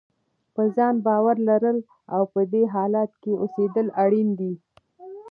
په ځان باور لرل او په دې حالت کې اوسېدل اړین دي.